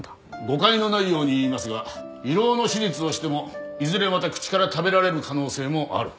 誤解のないように言いますが胃ろうの手術をしてもいずれまた口から食べられる可能性もある。